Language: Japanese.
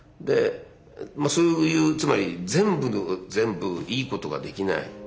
そういうつまり全部が全部いいことができない。